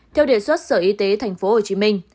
theo đề xuất sở y tế tp hcm